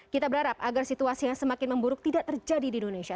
kita berharap agar situasi yang semakin memburuk tidak terjadi di indonesia